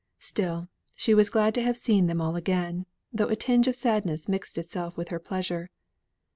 Still she was glad to have seen them all again, though a tinge of sadness mixed itself with her pleasure.